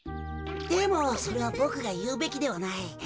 でもそれはボクがいうべきではない。